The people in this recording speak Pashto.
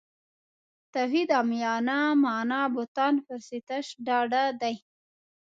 توحید عامیانه معنا بوتانو پرستش ډډه دی.